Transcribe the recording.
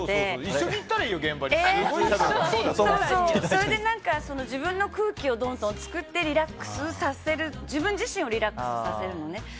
それで自分の空気をどんどん作って自分自身をリラックスさせるのね。